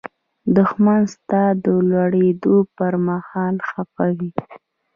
دښمن ستا د لوړېدو پر مهال خپه وي